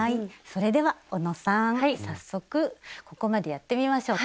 早速ここまでやってみましょうか。